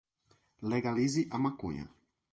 Legalize a maconha